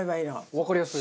わかりやすい。